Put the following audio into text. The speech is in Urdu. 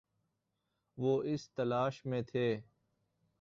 وہ اس تلاش میں تھے